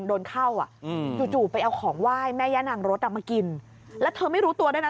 โดนเข้าอ่ะอืมจู่ไปเอาของไหว้แม่ย่านางรถอ่ะมากินแล้วเธอไม่รู้ตัวด้วยนะ